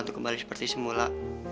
untuk kembali seperti semula